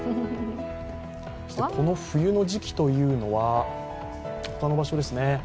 この冬の時期というのは他の場所ですね。